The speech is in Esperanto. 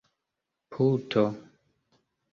puto